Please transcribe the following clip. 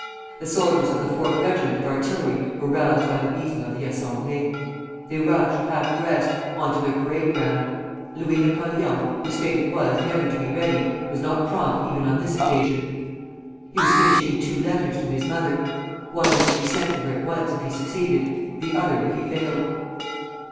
The soldiers of the fourth regiment of artillery were roused by the beating of the assemblée. They rushed, half dressed, on to their parade ground. Louis Napoleon, whose fate it was never to be ready, was not prompt even on this occasion; he was finishing two letters to his mother. One was to be sent to her at once if he succeeded, the other if he failed.